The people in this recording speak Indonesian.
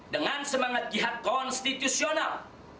dengan semangat jihad konstitusional